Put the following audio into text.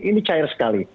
ini cair sekali